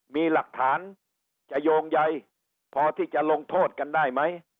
มีหลักฐานจะโยงใยพอที่จะลงโทษกันได้ไหม